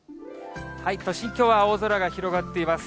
都心、きょうは青空が広がっています。